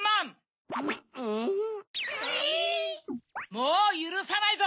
もうゆるさないぞ！